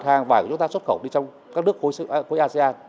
hàng vải của chúng ta xuất khẩu đi trong các nước khối asean